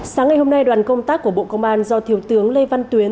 sáng ngày hôm nay đoàn công tác của bộ công an do thiếu tướng lê văn tuyến